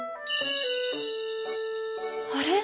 あれ？